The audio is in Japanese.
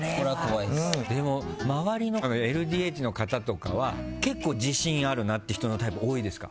周りのＬＤＨの方とかは結構自信あるなっていう人のタイプ多いですか？